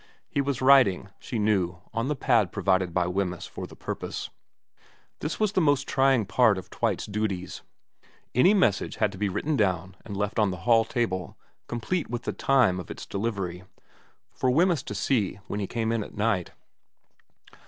He was writing, she knew, on the pad provided by Wemyss for the purpose. This was the most trying part of Twite's duties. Any message had to be written down and left on the hall table, complete with the time of its delivery, for Wemyss to see when he came in at night.